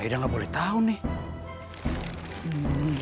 aida gak boleh tau nih